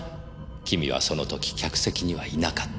君はその時客席にはいなかった。